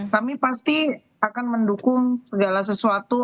kami pasti akan mendukung segala sesuatu